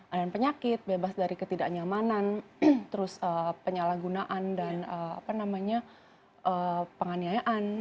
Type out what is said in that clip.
ada penyakit bebas dari ketidaknyamanan terus penyalahgunaan dan penganiayaan